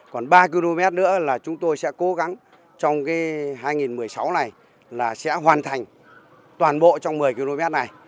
còn ba km nữa là chúng tôi sẽ cố gắng trong hai nghìn một mươi sáu này là sẽ hoàn thành toàn bộ trong một mươi km này